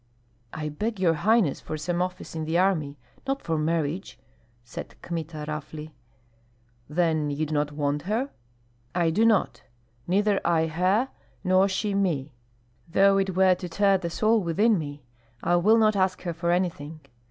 "I beg, your highness, for some office in the army, not for marriage," said Kmita, roughly. "Then you do not want her?" "I do not. Neither I her, nor she me. Though it were to tear the soul within me, I will not ask her for anything.